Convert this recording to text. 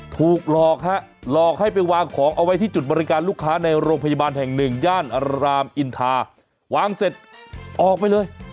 ถูกหลอกฮะหลอกให้ไปวางของเอาไว้ที่จุดบริการลูกค้าในโรงพยาบาลแห่งหนึ่งย่านรามอินทาวางเสร็จออกไปเลย